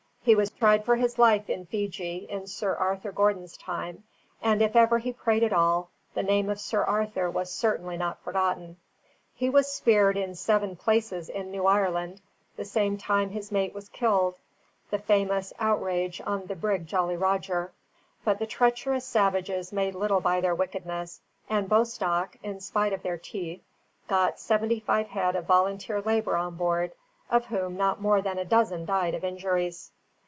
He was tried for his life in Fiji in Sir Arthur Gordon's time; and if ever he prayed at all, the name of Sir Arthur was certainly not forgotten. He was speared in seven places in New Ireland the same time his mate was killed the famous "outrage on the brig Jolly Roger"; but the treacherous savages made little by their wickedness, and Bostock, in spite of their teeth, got seventy five head of volunteer labour on board, of whom not more than a dozen died of injuries.